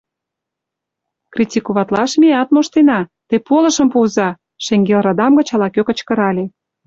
Критиковатлаш меат моштена, те полышым пуыза! — шеҥгел радам гыч ала-кӧ кычкырале.